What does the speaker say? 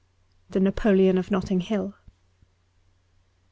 ' The Napoleon of Netting Hill.''